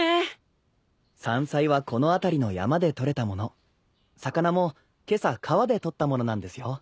山菜はこの辺りの山で採れたもの魚も今朝川で取ったものなんですよ。